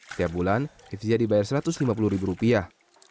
setiap bulan hetija dibayar satu ratus lima puluh ribu rupiah